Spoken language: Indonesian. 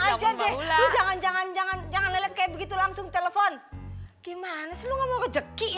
aja deh jangan jangan jangan jangan lihat kayak begitu langsung telepon gimana sih lu ngomong rejeki ya